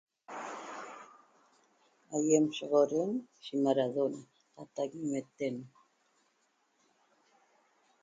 Aýem sho'oxoren yi Maradona ýioqta ñemeten